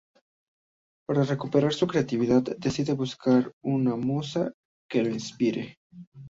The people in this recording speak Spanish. Para recuperar su creatividad decide buscar una musa que lo inspire.